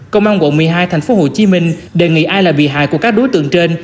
công an quận một mươi hai tp hcm đề nghị ai là bị hại của các đối tượng trên